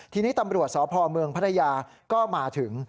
ทีนี้ตำรวจสพเมืองพัทยาก็มาถึง